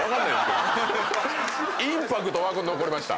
インパクトは残りました。